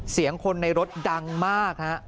เสียงคนในรถดังมากฮะ